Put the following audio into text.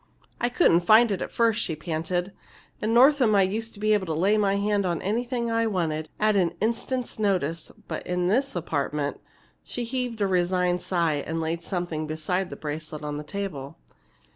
"I couldn't find it at first," she panted. "In Northam I used to be able to lay my hand on anything I wanted, at an instant's notice, but in this apartment!" She heaved a resigned sigh and laid something beside the bracelet on the table.